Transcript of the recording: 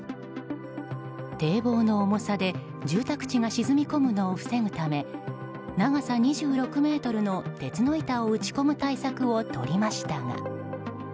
堤防の重さで住宅地が沈み込むのを防ぐため長さ２６ｍの鉄の板を打ち込む対策をとりましたが。